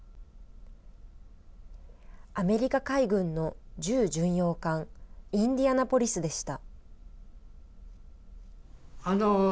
アメリカ海軍の重巡洋艦インディアナポリスでした。